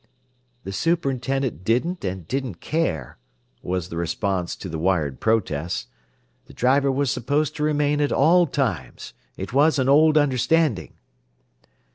"The superintendent didn't and didn't care," was the response to the wired protest. "The driver was supposed to remain at all times. It was an old understanding."